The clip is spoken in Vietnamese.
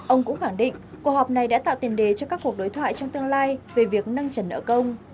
ông cũng khẳng định cuộc họp này đã tạo tiền đề cho các cuộc đối thoại trong tương lai về việc nâng trần nợ công